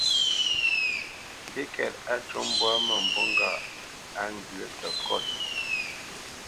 Mbîkɛ́t á cû mbwǎ mə̂mbû ŋgâʼ á ŋgyə̂ səkót.